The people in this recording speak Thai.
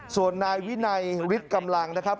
ส่วนนายวินัยฤทธิ์กำลังนะครับ